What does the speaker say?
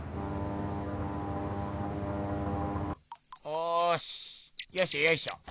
おしよいしょよいしょ。